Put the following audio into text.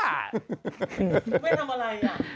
ไม่ทำอะไร